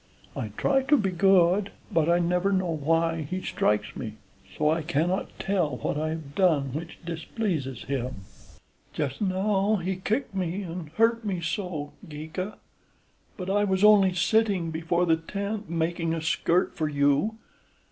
I try to be good; but I never know why he strikes me, so I cannot tell what I have done which displeases him. Just now he kicked me and hurt me so, Geeka; but I was only sitting before the tent making a skirt for you.